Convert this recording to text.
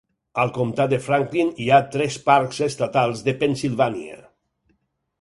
Al comtat de Franklin hi ha tres parcs estatals de Pennsilvània.